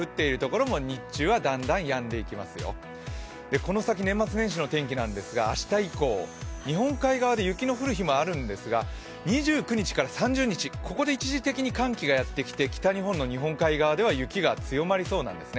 この先、年末年始の天気なんですが、明日以降、日本海側で雪の降る日もあるんですが２９日から３０日、ここで一時的に寒気がやってきて北日本の日本海側では雪が強まりそうなんですね。